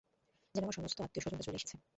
যেন আমার সমস্ত আত্মীয়স্বজনরা চলে এসেছে।